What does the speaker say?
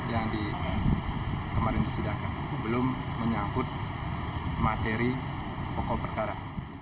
yang kemarin disidangkan belum menyangkut materi pokok perkara